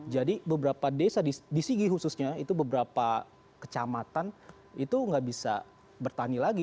jadi beberapa desa di sigi khususnya itu beberapa kecamatan itu nggak bisa bertani lagi